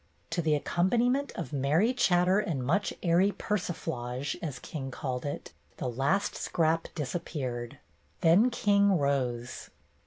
To the accompaniment of merry chatter and much "airy persiflage," as King called it, the last scrap disappeared. Then King rose.